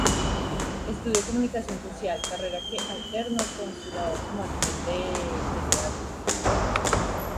Estudió comunicación social, carrera que alternó con su labor como actriz de teatro.